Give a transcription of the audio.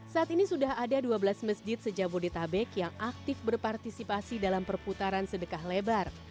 saat ini sudah ada dua belas masjid sejak bodetabek yang aktif berpartisipasi dalam perputaran sedekah lebar